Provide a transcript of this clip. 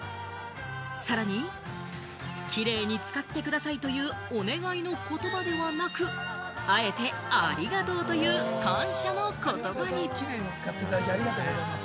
さらにキレイに使ってくださいというお願いの言葉ではなく、あえて、ありがとうという感謝の言葉に！